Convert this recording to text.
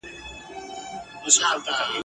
دنګه ونه لکه غروي هره تيږه یې منبر وي !.